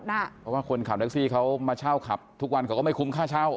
เพราะว่าคนขับแท็กซี่เขามาเช่าขับทุกวันเขาก็ไม่คุ้มค่าเช่า